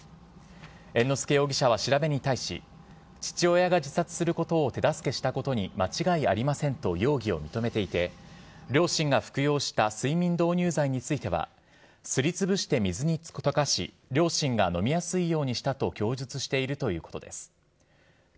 猿之助容疑者は調べに対し、父親が自殺することを手助けしたことに間違いありませんと容疑を認めていて、両親が服用した睡眠導入剤については、すりつぶして水に溶かし、両親が飲みやすいよ